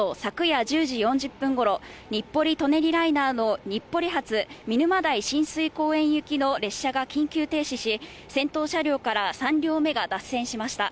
東京都交通局によりますと、昨夜１０時４０分頃、日暮里・舎人ライナーの日暮里発、見沼代親水公園行きの列車が緊急停止し、先頭車両から３両目が脱線しました。